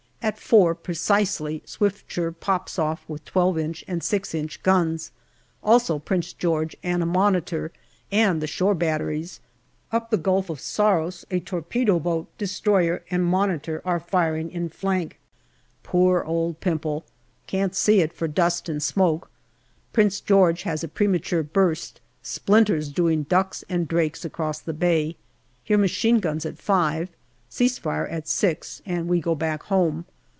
At four precisely Swiftsure poops off with 1 2 inch and 6 inch guns. Also Prince George and a Monitor, and the shore batteries. Up the Gulf of Saros a torpedo boat destroyer and Monitor are firing in flank. Poor old Pimple ! Can't see it for dust and smoke. Prince George has a premature burst, splinters doing ducks and drakes across the bay. Hear machine guns at five. Cease fire at six, and we go back home.